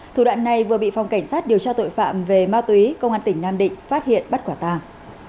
thủ đoạn này vừa bị phòng cảnh sát điều tra tội phạm về ma túy công an tỉnh nam định phát hiện bắt quả tàng